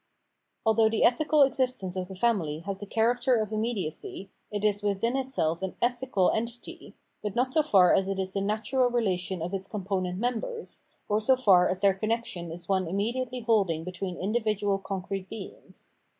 Although the ethical existence of the family has the character of immediacy, it is withiu itself an ethical entity, but not so far as it is the natural relation of its component members, or so far as their connexion is one immediately holding between individual concrete beings.